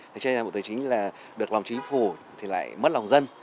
thế cho nên bộ tài chính được lòng chính phủ thì lại mất lòng dân